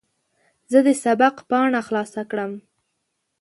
زه د سبق پاڼه خلاصه کړم.